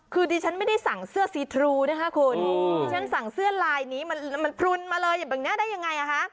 คุณไม่เช็คสิงค้าก่อนส่งหรือยังไง